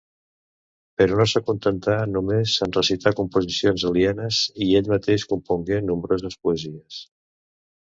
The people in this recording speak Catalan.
Però no s'acontentà només en recitar composicions alienes, i ell mateix compongué nombroses poesies.